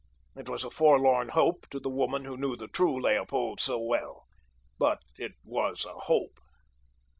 It was a forlorn hope to the woman who knew the true Leopold so well; but it was a hope.